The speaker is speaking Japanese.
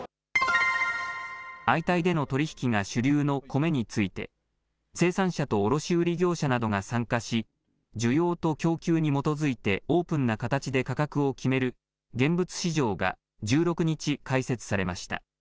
相対での取り引きが主流のコメについて生産者と卸売業者などが参加し需要と供給に基づいてオープンな形で価格を決める現物市場が１６日、開設されました。